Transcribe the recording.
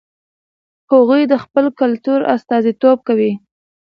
هغوی د خپل کلتور استازیتوب کوي.